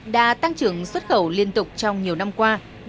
đã tăng trưởng xuất khẩu liên tục trong nhiều năm qua